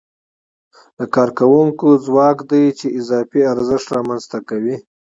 د کارکوونکو ځواک دی چې اضافي ارزښت رامنځته کوي